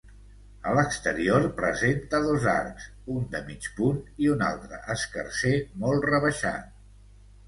A l'exterior presenta dos arcs, un de mig punt i un altre escarser molt rebaixat.